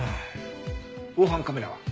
防犯カメラは？